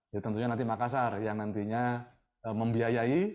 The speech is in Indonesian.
jadi tentunya nanti makassar yang nantinya membiayai